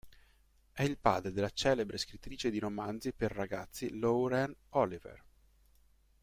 È il padre della celebre scrittrice di romanzi per ragazzi Lauren Oliver.